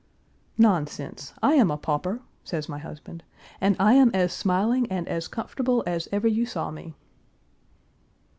"Nonsense! I am a pauper," says my husband, "and I am as smiling and as comfortable as ever you saw me."